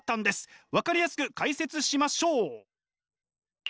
分かりやすく解説しましょう。